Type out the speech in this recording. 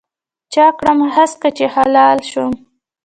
چا کړم هسکه چې هلال شوم